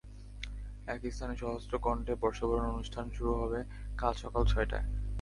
একই স্থানে সহস্র কণ্ঠে বর্ষবরণ অনুষ্ঠান শুরু হবে কাল সকাল ছয়টায়।